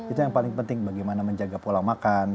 itu yang paling penting bagaimana menjaga pola makan